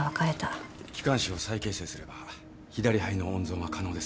気管支を再形成すれば左肺の温存は可能です